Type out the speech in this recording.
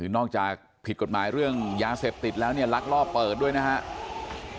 นอกจากผิดกฎหมายเรื่องยาเสพติดแล้วเนี่ยลักลอบเปิดด้วยนะครับ